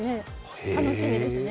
楽しみですね。